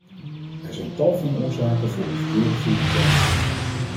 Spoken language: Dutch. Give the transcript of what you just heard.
Er zijn tal van oorzaken voor een verkeerde voedingswijze.